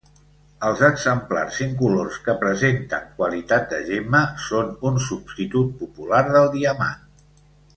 Els exemplars incolors que presenten qualitat de gemma són un substitut popular del diamant.